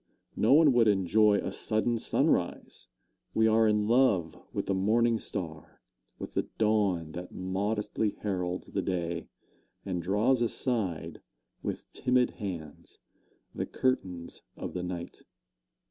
No one would enjoy a sudden sunrise we are in love with the morning star, with the dawn that modestly heralds the day and draws aside, with timid hands, the curtains of the night.